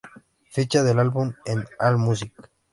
Ficha del álbum en allmusic